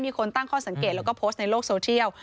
มีคนตั้งข้อสังเกตแล้วก็โพสต์ในโลกโซเชียล